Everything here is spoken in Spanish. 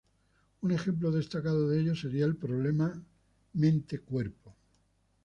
Un ejemplo destacado de ello sería el problema mente-cuerpo.